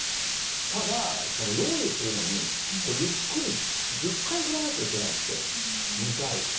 ただ用意するのに、ゆっくり１０回振らなきゃいけないって、２回。